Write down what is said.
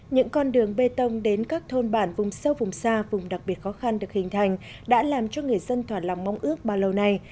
những con đường bê tông đến các thôn bản vùng sâu vùng xa vùng đặc biệt khó khăn được hình thành đã làm cho người dân thỏa lòng mong ước bao lâu nay